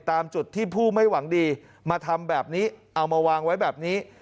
ตามจุดที่ผู้ไม่หวังดีมาทำแบบนี้เอามาวางไว้แบบนี้